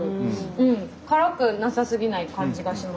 辛くなさすぎない感じがします。